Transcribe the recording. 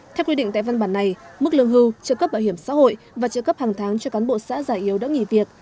theo quy định tại văn bản này mức lương hưu trợ cấp bảo hiểm xã hội và trợ cấp hàng tháng cho cán bộ xã giải yếu đã nghỉ việc